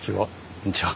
こんにちは。